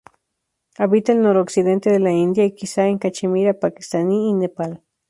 Habita al noroccidente de la India y, quizá, en la Cachemira pakistaní y Nepal.